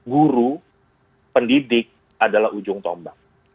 guru pendidik adalah ujung tombak